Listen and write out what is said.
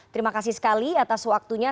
terima kasih sekali atas waktunya